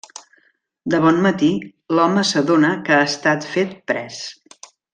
De bon matí, l'home s’adona que ha estat fet pres.